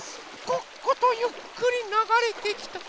こっことゆっくりながれてきた。